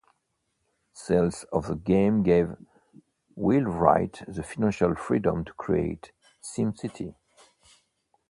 Sales of the game gave Will Wright the financial freedom to create SimCity.